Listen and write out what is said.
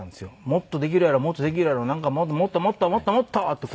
「もっとできるやろもっとできるやろなんかもっともっともっともっと！」って